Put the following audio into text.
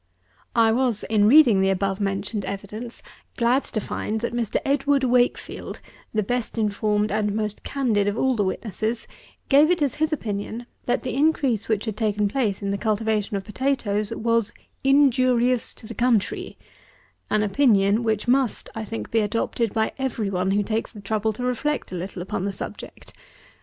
78. I was, in reading the above mentioned Evidence, glad to find, that Mr. EDWARD WAKEFIELD, the best informed and most candid of all the witnesses, gave it as his opinion, that the increase which had taken place in the cultivation of potatoes was "injurious to the country;" an opinion which must, I think, be adopted by every one who takes the trouble to reflect a little upon the subject.